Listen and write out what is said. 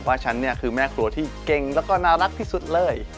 ฉันเนี่ยคือแม่ครัวที่เก่งแล้วก็น่ารักที่สุดเลย